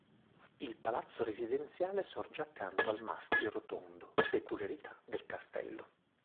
Il palazzo residenziale sorge accanto al mastio rotondo, peculiarità del castello.